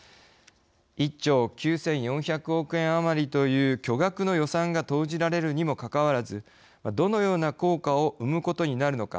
１兆９，４００億円余りという巨額の予算が投じられるにもかかわらずどのような効果を生むことになるのか。